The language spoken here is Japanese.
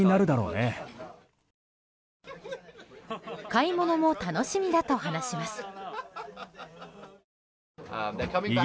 買い物も楽しみだと話します。